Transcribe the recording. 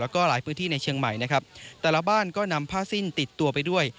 แล้วก็หลายพื้นที่ในเชียงใหม่นะครับแต่ละบ้านก็นำผ้าสิ้นติดตัวไปด้วย